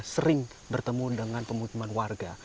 sering bertemu dengan pemukiman warga